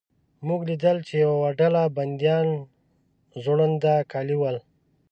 موږ لیدل چې یوه ډله بندیان زوړند کالي ول.